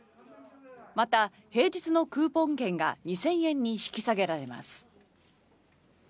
また、平日のクーポン券が２０００円に引き下げられます。